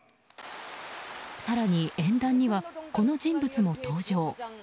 更に、演壇にはこの人物も登場。